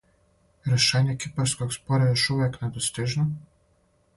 Решење кипарског спора још увек недостижно?